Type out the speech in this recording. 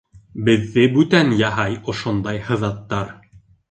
Беҙҙе бүтән яһай Ошондай һыҙаттар.